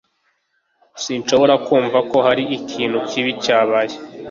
Sinshobora kumva ko hari ikintu kibi cyabaye.